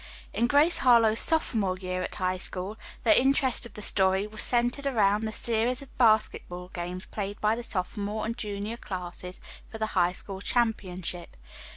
In "Grace Harlowe's Sophomore Year at High School" the interest of the story was centered around the series of basketball games played by the sophomore and junior classes for the High School championship.